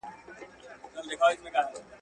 پښتو اړیکې نږدې کوي.